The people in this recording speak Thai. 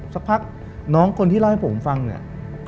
สักพักน้องคนที่เล่าให้ผมฟังเนี่ย